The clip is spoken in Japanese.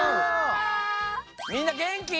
みんなげんき？